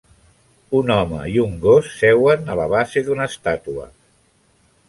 Un home i un gos seuen a la base d'una estàtua.